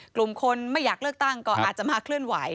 กลุ่มคนไม่อยากเลือกตั้งก็อาจจะมาเคลื่อนไหว